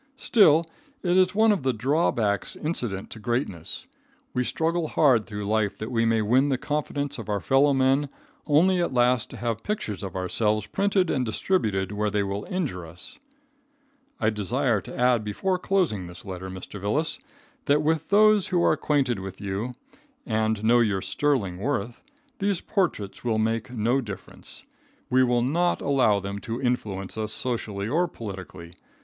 Still, it is one of the drawbacks incident to greatness. We struggle hard through life that we may win the confidence of our fellow men, only at last to have pictures of ourselves printed and distributed where they will injure us. [Illustration: ASSORTED PHYSIOGNOMY.] I desire to add before closing this letter, Mr. Vilas, that with those who are acquainted with you and know your sterling worth, these portraits will make no difference. We will not allow them to influence us socially or politically.